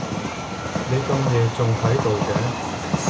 你咁夜仲喺度嘅？